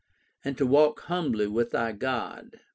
And to walk humbly with thy God?